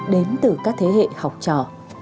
đến từ các thế hệ học trò